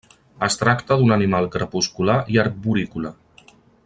Es tracta d'un animal crepuscular i arborícola.